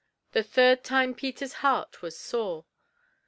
The third time Peter's heart was sore.